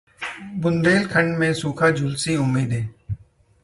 बुंदेलखंड में सूखाः झुलसी उम्मीदें